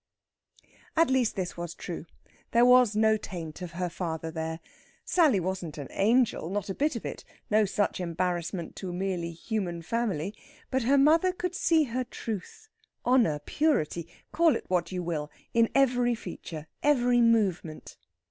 At least this was true there was no taint of her father there! Sally wasn't an angel not a bit of it no such embarrassment to a merely human family. But her mother could see her truth, honour, purity call it what you will in every feature, every movement.